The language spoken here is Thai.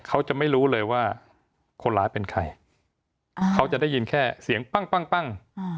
เขาจะไม่รู้เลยว่าคนร้ายเป็นใครเขาจะได้ยินแค่เสียงปั้ง